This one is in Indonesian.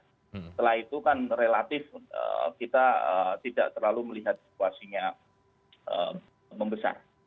setelah itu kan relatif kita tidak terlalu melihat situasinya membesar